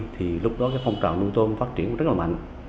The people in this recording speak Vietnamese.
thì lúc đó phong trào nuôi tôm phát triển rất là mạnh